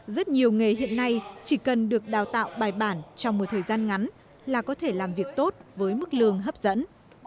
rất nhiều nghề hiện nay chỉ cần được đào tạo bài bản trong một thời gian ngắn là có thể làm việc tốt với mức lương hấp dẫn